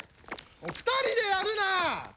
２人でやるな！